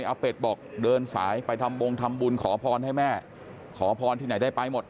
อาเป็ดบอกเดินสายไปทำบงทำบุญขอพรให้แม่ขอพรที่ไหนได้ไปหมด